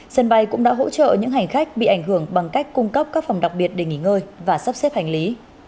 sân bay cũng đã hỗ trợ những hành khách bị ảnh hưởng bằng cách cung cấp các phòng đặc biệt để nghỉ ngơi và sắp xếp hành lý